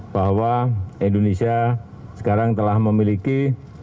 bahwa indonesia sekarang telah memiliki